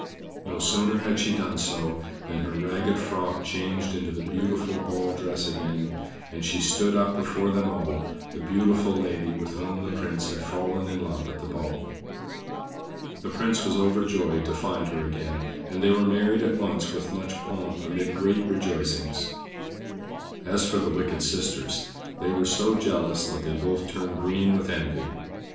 No sooner had she done so than her ragged frock changed into the beautiful ball dress again, and she stood up before them all the beautiful lady with whom the Prince had fallen in love at the ball. The Prince was overjoyed to find her again; and they were married at once with much pomp amid great rejoicings. As for the wicked sisters they were so jealous that they both turned green with envy.